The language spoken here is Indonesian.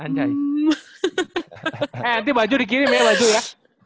nanti baju dikirim ya